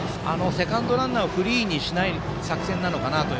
セカンドランナーをフリーにしない作戦なのかなと。